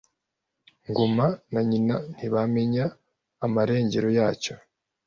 Ngoma na nyina ntibamenya amarengero yacyo.